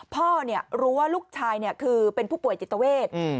พ่อเนี่ยรู้ว่าลูกชายเนี่ยคือเป็นผู้ป่วยจิตเวท